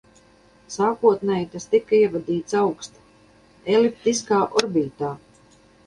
Sākotnēji tas bija ievadīts augsti eliptiskā orbītā.